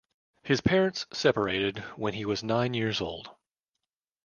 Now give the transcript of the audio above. His parents separated when he was nine years old.